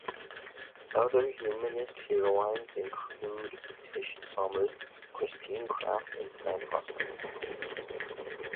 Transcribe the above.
Other Humanist Heroines include Tish Sommers, Christine Craft, and Fran Hosken.